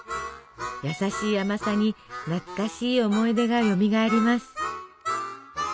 やさしい甘さに懐かしい思い出がよみがえります。